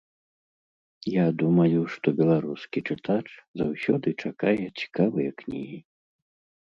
Я думаю, што беларускі чытач заўсёды чакае цікавыя кнігі.